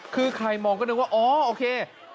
คือใครมองก็นึกว่าอ๋อโอเค